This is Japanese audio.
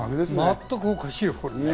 全くおかしい。